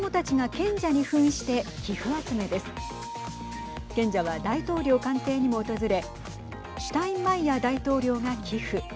賢者は大統領官邸にも訪れシュタインマイヤー大統領が寄付。